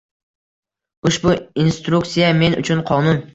Ushbu instruktsiya – men uchun qonun.